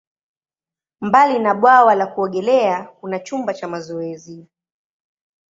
Mbali na bwawa la kuogelea, kuna chumba cha mazoezi.